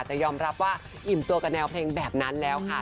แต่ยอมรับว่าอิ่มตัวกับแนวเพลงแบบนั้นแล้วค่ะ